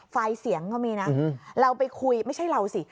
ไฟล์เสียงก็มีนะเราไปคุยไม่ใช่เราสิ